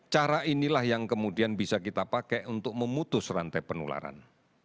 cara inilah yang kemudian bisa kita pakai untuk memutus rantai penularan